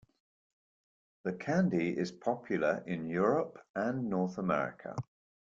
The candy is popular in Europe and North America.